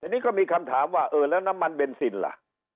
ทีนี้ก็มีคำถามว่าเออแล้วน้ำมันเบนซินล่ะ